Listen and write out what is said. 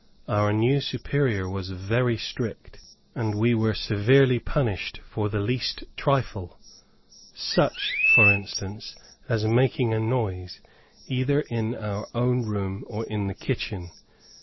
Our new Superior was very strict, and we were severely punished for the least trifle such, for instance, as making a noise, either in our own room or in the kitchen.